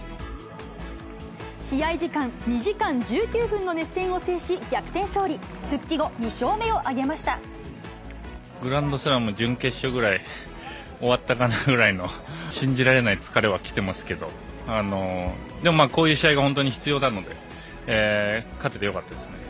試合時間２時間１９分の熱戦を制し、逆転勝利。グランドスラム準決勝ぐらい、終わったかなぐらいの、信じられない疲れはきてますけど、でもまあ、こういう試合が必要なので、勝ててよかったですね。